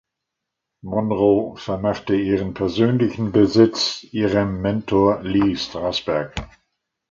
Monroe vermachte ihren persönlichen Besitz ihrem Mentor Lee Strasberg.